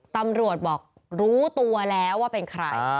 ตำรวจบอกรู้ตัวแล้วว่าเป็นใคร